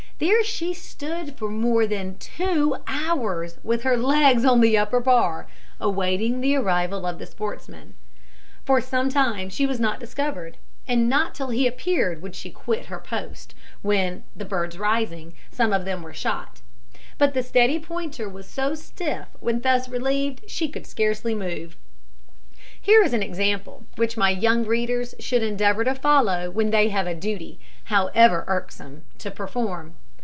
There she stood for more than two hours, with her legs on the upper bar, awaiting the arrival of the sportsman. For some time she was not discovered, and not till he appeared would she quit her post, when, the birds rising, some of them were shot; but the steady pointer was so stiff when thus relieved that she could scarcely move. Here is an example which my young readers should endeavour to follow when they have a duty, however irksome, to perform.